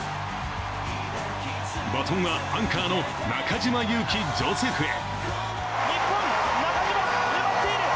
バトンはアンカーの中島佑気ジョセフへ。